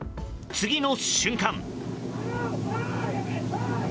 次の瞬間。